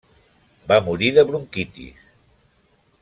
Va morir de bronquitis.